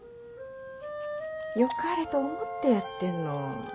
よかれと思ってやってんの。